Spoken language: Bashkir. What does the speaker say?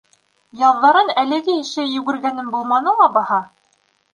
Яҙҙарын әлеге ише йүгергәнем булманы ла баһа.